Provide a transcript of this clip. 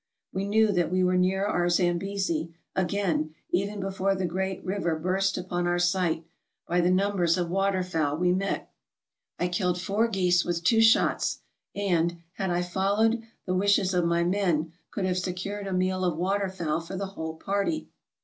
We knew that we were near our Zambesi, again, even before the great river burst upon our sight, by the numbers of water fowl we met. I killed four geese with two shots, and, had I followed the wishes of my men, could have secured a meal of water fowl for the whole party.